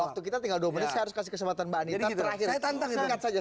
waktu kita tinggal dua menit saya harus kasih kesempatan mbak anita